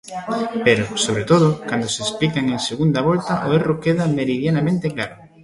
Pero, sobre todo, cando se explican en segunda volta, o erro queda meridianamente claro.